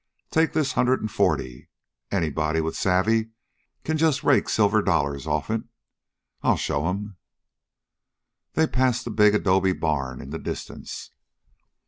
Take this hundred an forty. Anybody with the savve can just rake silver dollars offen it. I'll show 'm." They passed the big adobe barn in the distance.